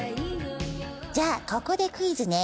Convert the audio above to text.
じゃあここでクイズね。